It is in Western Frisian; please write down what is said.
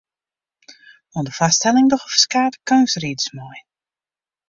Oan de foarstelling dogge ferskate keunstriders mei.